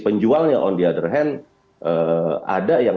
penjualnya on the other hand ada yang